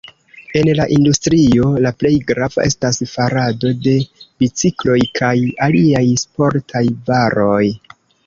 En la industrio la plej grava estas farado de bicikloj kaj aliaj sportaj varoj.